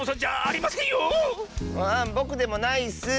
ぼくでもないッス。